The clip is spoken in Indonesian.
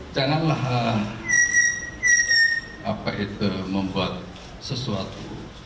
janganlah apa itu membuat sesuatu